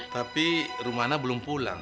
tapi rumana belum pulang